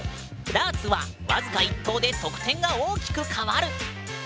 ダーツは僅か１投で得点が大きく変わる！